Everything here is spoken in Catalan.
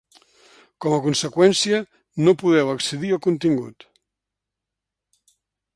Com a conseqüència, no podeu accedir al contingut.